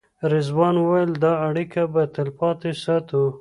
رضوان وویل دا اړیکه به تلپاتې ساتو.